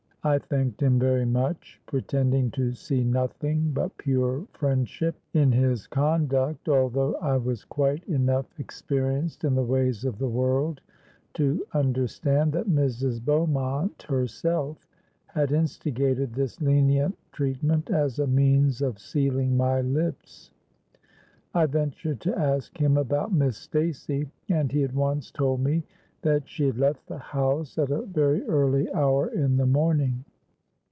I thanked him very much, pretending to see nothing but pure friendship in his conduct, although I was quite enough experienced in the ways of the world to understand that Mrs. Beaumont herself had instigated this lenient treatment as a means of sealing my lips. I ventured to ask him about Miss Stacey, and he at once told me that she had left the house at a very early hour in the morning.